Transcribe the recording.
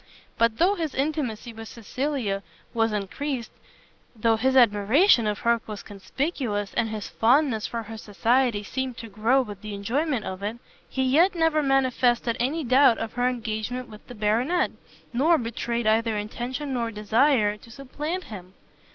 But though his intimacy with Cecilia was encreased, though his admiration of her was conspicuous, and his fondness for her society seemed to grow with the enjoyment of it, he yet never manifested any doubt of her engagement with the Baronet, nor betrayed either intention or desire to supplant him.